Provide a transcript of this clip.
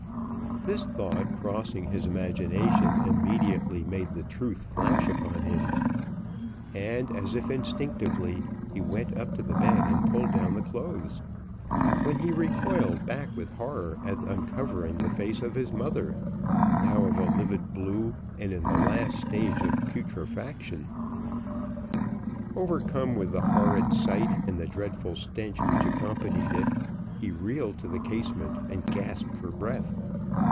This thought crossing his imagination, immediately made the truth flash upon him, and, as if instinctively, he went up to the bed and pulled down the clothes, when he recoiled back with horror at uncovering the face of his mother, now of a livid blue and in the last stage of putrefaction. Overcome with the horrid sight, and the dreadful stench which accompanied it, he reeled to the casement and gasped for breath.